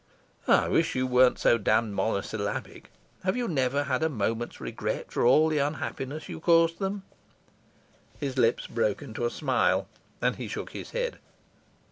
"I wish you weren't so damned monosyllabic. Have you never had a moment's regret for all the unhappiness you caused them?" His lips broke into a smile, and he shook his head.